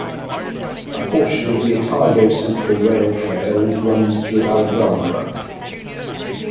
A portion of the Otago Central Rail Trail runs through Alexandra.